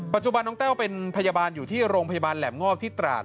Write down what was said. ปัจจุบันน้องแต้วเป็นพยาบาลอยู่ที่โรงพยาบาลแหลมงอกที่ตราด